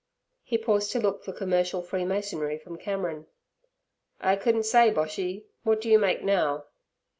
He paused to look for commercial freemasonry from Cameron. 'I couldn't say, Boshy. What do you make now?'